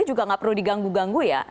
juga nggak perlu diganggu ganggu ya